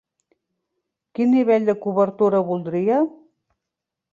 Quin nivell de cobertura voldria?